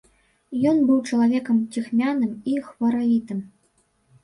Ён быў чалавекам ціхмяным і хваравітым.